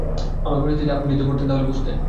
আমার পরিস্থিতিতে আপনি যদি পড়তেন তাহলে বুঝতেন।